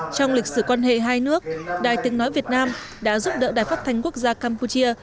trong lịch sử quan hệ hai nước đài tiếng nói việt nam đã giúp đỡ đài phát thanh quốc gia campuchia